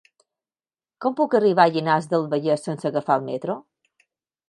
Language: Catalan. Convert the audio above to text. Com puc arribar a Llinars del Vallès sense agafar el metro?